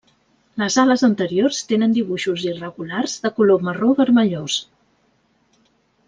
Les ales anteriors tenen dibuixos irregulars de color marró-vermellós.